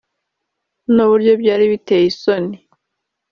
n’uburyo byari biteye isoni